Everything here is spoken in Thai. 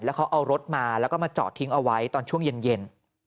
เขาเอารถมาแล้วก็มาจอดทิ้งเอาไว้ตอนช่วงเย็น